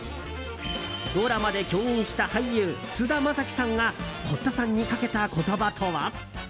ドラマで共演した俳優・菅田将暉さんが堀田さんにかけた言葉とは？